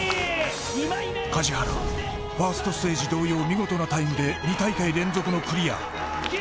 梶原はファーストステージ同様見事なタイムで２大会連続クリア。